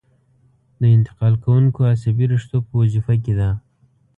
د انتقال کوونکو عصبي رشتو په وظیفه کې ده.